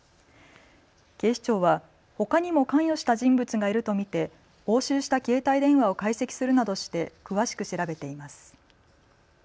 警視庁はほかにも関与した人物がいると見て押収した携帯電話を解析するなどして詳しく調べています。